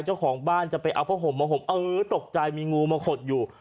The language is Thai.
เจ้าของบ้านจะไปเอาผ้าห่มมาห่มเออตกใจมีงูมาขดอยู่